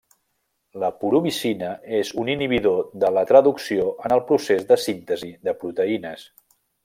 La puromicina és un inhibidor de la traducció en el procés de síntesi de proteïnes.